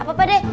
apa pak de